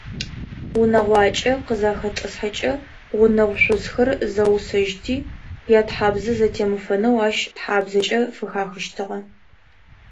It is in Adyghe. Унэгъуакӏэ къызахэтӏысхьэкӏэ, гъунэгъу шъузхэр зэусэжьти, ятхьабзэ зэтемыфэнэу ащ тхьабзакӏэ фыхахыщтыгъэ.